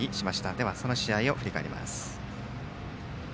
ではその試合を振り返ります。